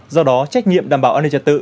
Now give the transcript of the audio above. do đó trách nhiệm đảm bảo an ninh trật tự